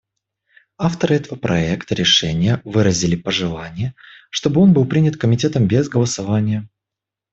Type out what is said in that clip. Авторы этого проекта решения выразили пожелание, чтобы он был принят Комитетом без голосования.